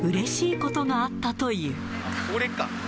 これか。